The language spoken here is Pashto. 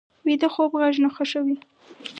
ویده خوب غږ نه خوښوي